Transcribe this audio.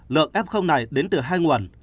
lượng f này đến từ hai nguồn